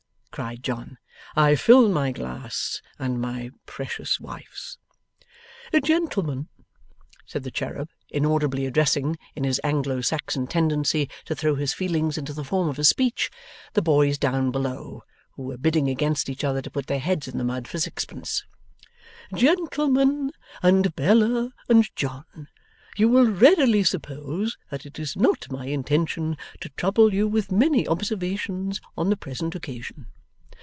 cried John. 'I fill my glass and my precious wife's.' 'Gentlemen,' said the cherub, inaudibly addressing, in his Anglo Saxon tendency to throw his feelings into the form of a speech, the boys down below, who were bidding against each other to put their heads in the mud for sixpence: 'Gentlemen and Bella and John you will readily suppose that it is not my intention to trouble you with many observations on the present occasion.